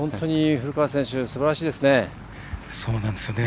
古川選手すばらしいですね。